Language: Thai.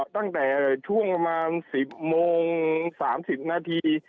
ตั้งแต่ช่วงประมาณ๑๐โมง๓๐นาที